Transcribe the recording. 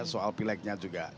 soal pilegnya juga